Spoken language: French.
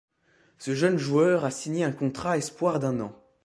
Ce jeune joueur a signé un contrat espoir d'un an.